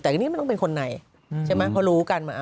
แต่ทีนี้มันต้องเป็นคนในใช่ไหมเพราะรู้กันมา